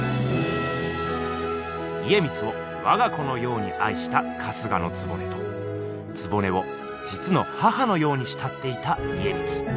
家光をわが子のようにあいした春日局と局をじつの母のようにしたっていた家光。